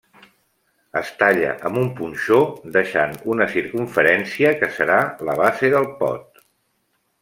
Es talla amb un punxó deixant una circumferència que serà la base del pot.